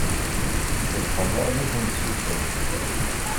Tcebḥeḍ armi tmessuseḍ!